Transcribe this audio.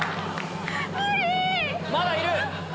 まだいる！